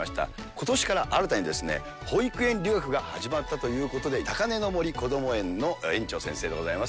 ことしから新たに保育園留学が始まったということで、高嶺の森こども園の園長先生でございます。